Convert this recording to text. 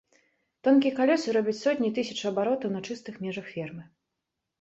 Тонкія калёсы робяць сотні і тысячы абаротаў на чыстых межах фермы.